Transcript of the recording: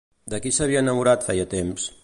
De qui s'havia enamorat feia temps?